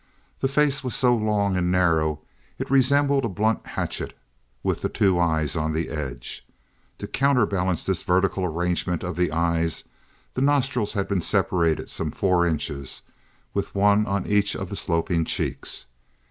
The face was so long, and narrow, it resembled a blunt hatchet, with the two eyes on the edge. To counter balance this vertical arrangement of the eyes, the nostrils had been separated some four inches, with one on each of the sloping cheeks.